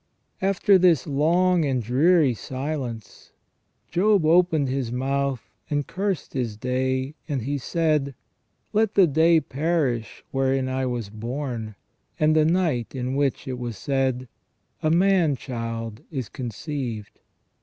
After this long and dreary silence, " Job opened his mouth, and cursed his day, and he said : Let the day perish wherein I was born, and the night in which it was said : A man child is con ceived.